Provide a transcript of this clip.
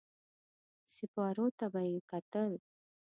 سېپارو ته به يې کتل.